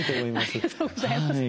ありがとうございます。